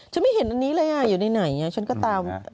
ฉันไม่เห็นอันนี้เลยอ่ะอยู่ที่ไหนฉันตาม